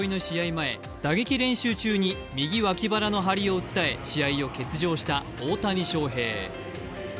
前、打撃練習中に右脇腹の張りを訴え試合を欠場した大谷翔平。